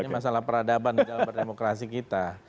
masalah peradaban di dalam berdemokrasi kita